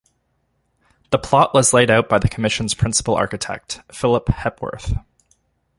The plot was laid out by the Commission's Principal Architect, Philip Hepworth.